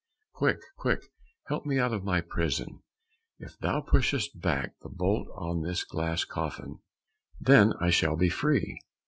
Quick, quick, help me out of my prison; if thou pushest back the bolt of this glass coffin, then I shall be free."